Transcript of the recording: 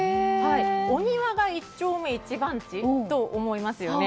お庭が１丁目１番地？と思いますよね。